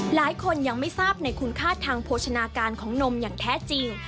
หลายคนยังไม่ทราบในคุณค่าทางโภชนาการของนมอย่างแท้จริง